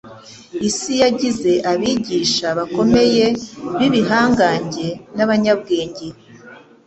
Isi yagize abigisha bakomeye b'ibihangage n'abanyabwenge